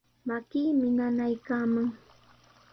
Makiimi nanaykaaman.